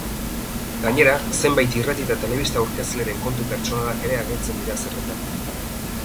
Gainera, zenbait irrati eta telebista aurkezleren kontu pertsonalak ere agertzen dira zerrendan.